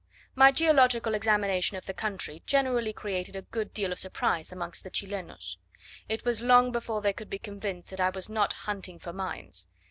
My geological examination of the country generally created a good deal of surprise amongst the Chilenos: it was long before they could be convinced that I was not hunting for mines.